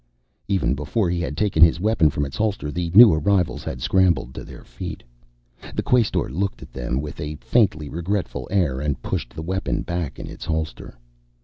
Even before he had taken his weapon from its holster, the new arrivals had scrambled to their feet. The Quaestor looked at them with a faintly regretful air and pushed the weapon back in its holster.